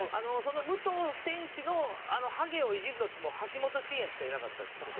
武藤選手のあのハゲをイジるのって橋本真也しかいなかったんですけど。